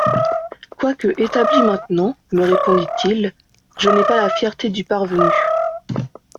«, Quoique établi maintenant, me répondit-il, je n'ai pas la fierté du parvenu.